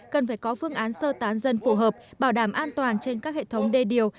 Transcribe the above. cần phải có phương án sơ tán dân phù hợp bảo đảm an toàn trên các hệ thống đê điều